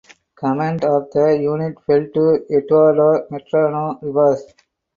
Command of the unit fell to Eduardo Medrano Rivas.